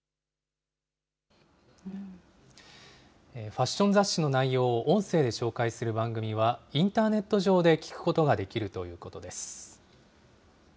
ファッション雑誌の内容を音声で紹介する番組は、インターネット上で聴くことができるということです。